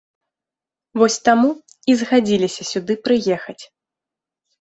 Вось таму і згадзіліся сюды прыехаць.